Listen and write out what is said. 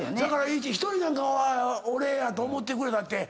ひとりなんかは俺やと思ってくれたって。